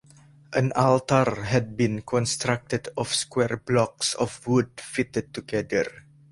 An altar had been constructed of square blocks of wood fitted together.